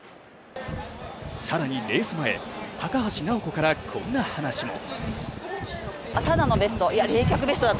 更に、レース前高橋尚子からこんな話も。